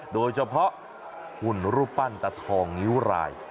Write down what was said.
โดยเฉพาะหุ่นรูปปั้นตะทองนิ้วราย